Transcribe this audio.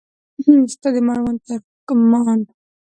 ستا د مړوند ترکمان